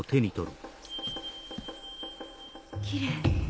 きれい。